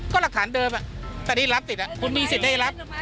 ก็หลักฐานเดิมตอนนี้รับติดคุณมีสิทธิ์ได้รับ